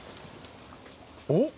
おっ！